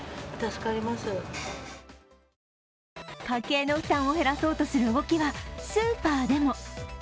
家計の負担を減らそうとする動きはスーパーでも。